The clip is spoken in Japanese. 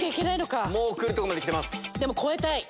でも超えたい。